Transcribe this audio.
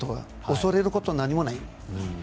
恐れることは何もない。